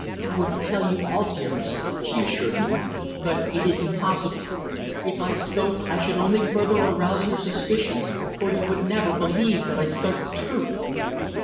"I would tell you all, dearest," she assured me, "but it is impossible. If I spoke I should only further arouse your suspicions, for you would never believe that I spoke the truth."